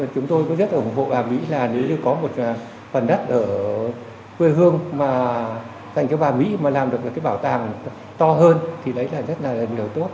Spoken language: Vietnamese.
chúng tôi cũng rất là ủng hộ bà mỹ là nếu như có một phần đất ở quê hương mà dành cho bà mỹ mà làm được một cái bảo tàng to hơn thì đấy là rất là điều tốt